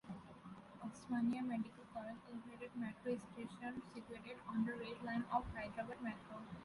Osmania Medical College elevated metro station situated on the Red Line of Hyderabad Metro.